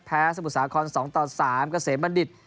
แพ้สมุทรสาคอน๒๓กระเสมบัณฑิต